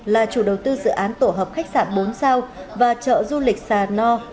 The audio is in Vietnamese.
là chủ đầu tư dự án tổ hợp khách sạn bốn sao và chợ du lịch sà no